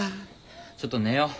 ちょっと寝よう。